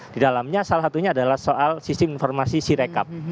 di dalamnya salah satunya adalah soal sistem informasi sirekap